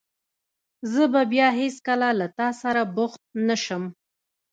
زه به بیا هېڅکله له تاسره بوخت نه شم.